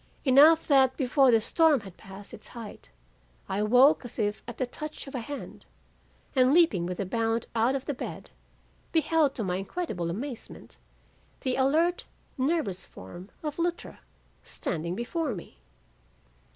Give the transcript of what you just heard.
Enough that before the storm had passed its height, I awoke as if at the touch of a hand, and leaping with a bound out of the bed, beheld to my incredible amazement, the alert, nervous form of Luttra standing before me.